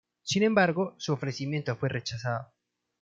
Sin embargo, su ofrecimiento fue rechazado.